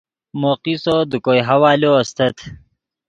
مو قصو دے کوئے حوالو استت